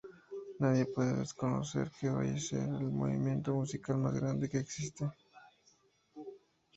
Nadie puede desconocer que hoy este es el movimiento musical más grande que existe.